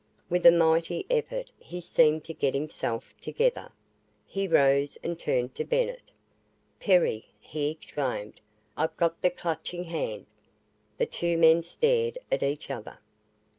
With a mighty effort he seemed to get himself together. He rose and turned to Bennett. "Perry," he exclaimed, "I've got the Clutching Hand!" The two men stared at each other.